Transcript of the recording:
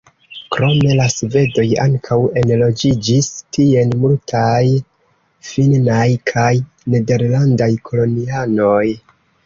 Krom la svedoj ankaŭ enloĝiĝis tien multaj finnaj kaj nederlandaj kolonianoj.